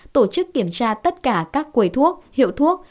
tổ chức kiểm tra tất cả các quầy thuốc hiệu thuốc